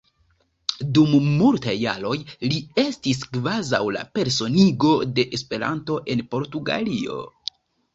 Dum multaj jaroj li estis kvazaŭ la personigo de Esperanto en Portugalio.